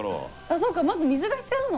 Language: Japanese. そうかまず水が必要なの？